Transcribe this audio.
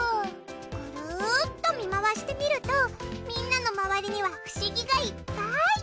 ぐるっと見回してみるとみんなの周りには不思議がいっぱい！